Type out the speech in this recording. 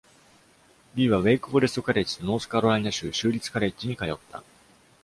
リーはウェイクフォレストカレッジとノースカロライナ州立カレッジに通った。